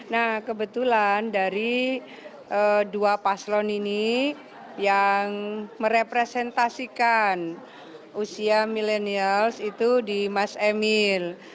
nah kebetulan dari dua paslon ini yang merepresentasikan usia milenials itu di mas emil